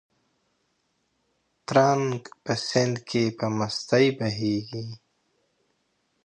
ترنګ په سیند کې په مستۍ بهېږي.